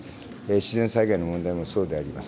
自然災害の問題もそうであります。